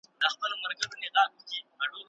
دغه وقار ته درناوی وکړئ.